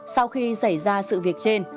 sau khi xảy ra sự việc trên